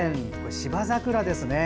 芝桜ですね。